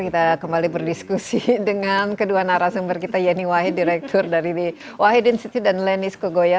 kita kembali berdiskusi dengan kedua narasumber kita yeni wahid direktur dari wahid den city dan lenis kogoya